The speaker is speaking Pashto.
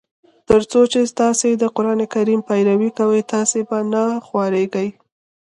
تر څو چي تاسي د قرآن پیروي کوی تاسي به نه خوارېږی.